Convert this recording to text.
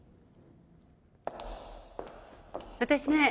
私ね